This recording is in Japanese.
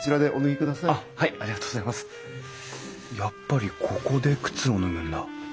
やっぱりここで靴を脱ぐんだ。